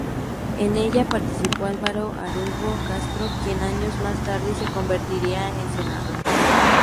En ella participó Álvaro Araújo Castro, quien años más tarde se convertiría en senador.